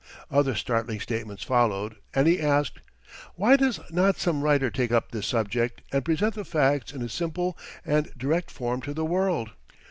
] Other startling statements followed and he asked: "Why does not some writer take up this subject and present the facts in a simple and direct form to the world?"